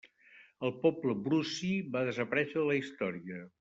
El poble Bruci va desaparèixer de la història.